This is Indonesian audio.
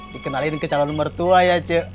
dikenalin ke calon mertua ya